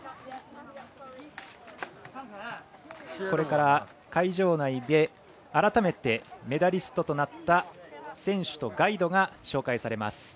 これから会場内でメダリストとなった選手とガイドが紹介されます。